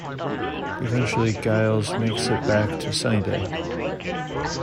Eventually Giles makes it back to Sunnydale.